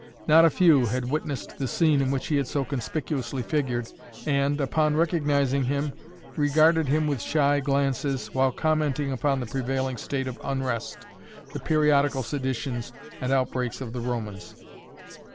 Not a few had witnessed the scene in which he had so conspicuously figured and, upon recognizing him, regarded him with shy glances, while commenting upon the prevailing state of unrest, the periodical seditions and outbreaks of the Romans.